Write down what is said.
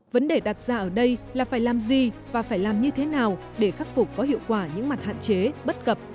vấn đề đặt ra ở đây là phải làm gì và phải làm như thế nào để khắc phục có hiệu quả những mặt hạn chế bất cập